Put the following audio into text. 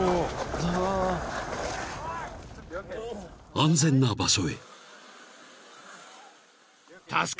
［安全な場所へ］